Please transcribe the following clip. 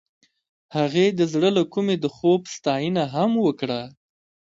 هغې د زړه له کومې د خوب ستاینه هم وکړه.